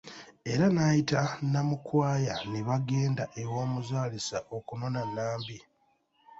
Era n'ayita Namukwaya ne bagenda ew'omuzaalisa okunona Nambi.